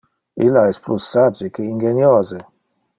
Illa es plus sage que ingeniose.